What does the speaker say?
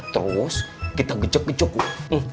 terus kita gejok gejok yuk